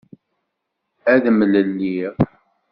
Ad mlelliɣ.